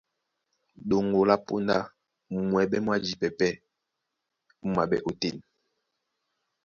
Ɗoŋgo lá póndá, mwɛɓɛ́ mwá jipɛ pɛ́ mú maɓɛ́ ótên.